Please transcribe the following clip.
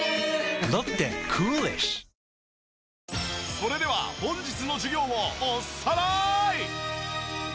それでは本日の授業をおさらい！